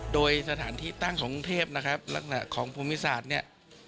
โดยสถานที่ตั้งของกรุงเทพฯและของภูมิศาสตร์นี่